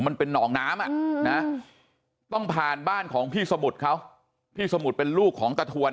มันเป็นหนองน้ำอ่ะนะต้องผ่านบ้านของพี่สมุทรเขาพี่สมุทรเป็นลูกของตะทวน